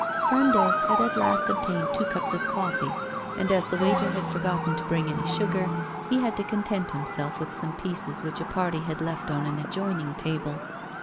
Sandoz had at last obtained two cups of coffee, and as the waiter had forgotten to bring any sugar, he had to content himself with some pieces which a party had left on an adjoining table.